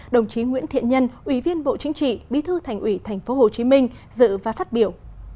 đồng chí nguyễn thiện nhân ủy viên bộ chính trị bí thư thành ủy tp hcm dự và phát biểu